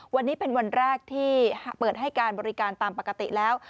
วันนี้เป็นวันแรกที่เปิดให้การบริการตามปกติแล้ว